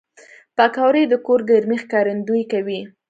پکورې د کور ګرمۍ ښکارندويي کوي